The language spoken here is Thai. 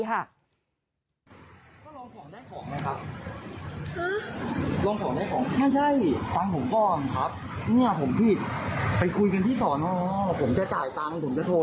เจออีกคลิปป่ะไปตามผมพี่วินผมบอกให้ไปคุยที่สอนอ่ะ